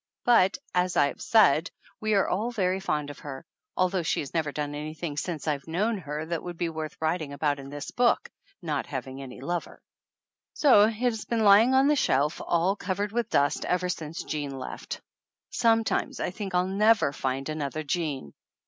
But, as I have said, we are all very fond of her, although she has never done anything since I've known her that would be worth writing about in this book, not having any lover; so it has been lying on the shelf all 203 THE ANNALS OF ANN covered with dust ever since Jean left. Some times I think I'll never find another Jean